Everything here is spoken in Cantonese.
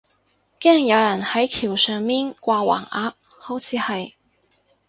驚有人係橋上面掛橫額，好似係